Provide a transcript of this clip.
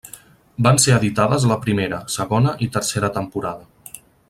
Van ser editades la primera, segona i tercera temporada.